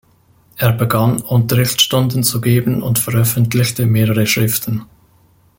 Er begann, Unterrichtsstunden zu geben und veröffentlichte mehrere Schriften.